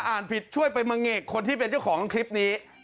อ่านผิดช่วยไปมะเงกคนที่เป็นเจ้าของคลิปนี้